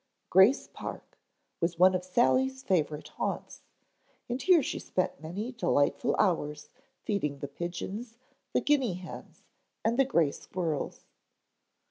"Grace Park" was one of Sally's favorite haunts and here she spent many delightful hours feeding the pigeons, the guinea hens and the gray squirrels.